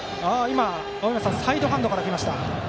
青山さん、サイドハンドからきました。